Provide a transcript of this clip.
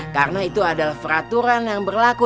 karena itu adalah peraturan yang berlaku